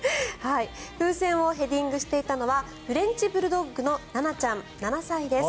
風船をヘディングしていたのはフレンチブルドッグのななちゃん、７歳です。